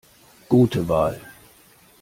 Gute Wahl!